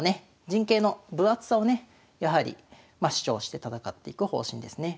陣形の分厚さをねやはり主張して戦っていく方針ですね。